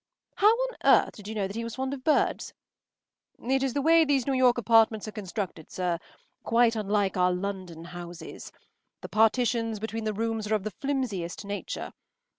” “How on earth did you know that he was fond of birds?” “It is the way these New York apartments are constructed, sir. Quite unlike our London houses. The partitions between the rooms are of the flimsiest nature.